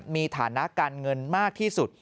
มีฐานะการเงินมากที่สุด